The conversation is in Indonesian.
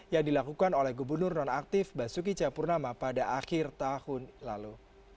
yang dilakukan oleh gubernur nonaktif basuki cahapurnama pada akhir tahun lalu